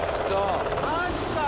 マジか。